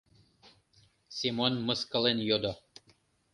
— Семон мыскылен йодо.